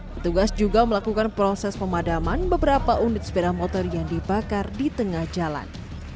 petugas juga melakukan proses pemadaman beberapa unit sepeda motor yang dibakar di tengah jalan